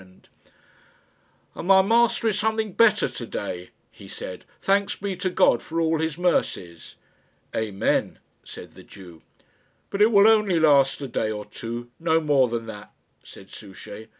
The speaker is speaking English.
"And my master is something better to day," he said, "thanks be to God for all His mercies!" "Amen," said the Jew. "But it will only last a day or two; no more than that," said Souchey.